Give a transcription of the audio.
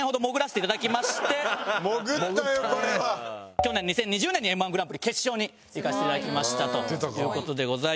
去年２０２０年にＭ−１グランプリ決勝にいかせて頂きましたという事でございます。